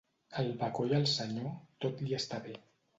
Al bacó i al senyor tot li està bé.